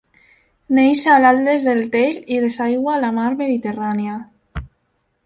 Neix a l'Atles del Tell i desaigua a la mar Mediterrània.